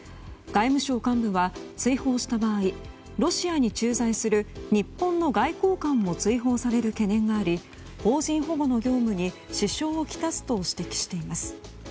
外務省幹部は、追放した場合ロシアに駐在する日本の外交官も追放される懸念があり邦人保護の業務に支障をきたすと指摘しています。